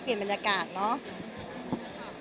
เปลี่ยนบรรยากาศเนาะ